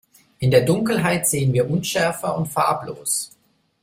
In der Dunkelheit sehen wir unschärfer und farblos.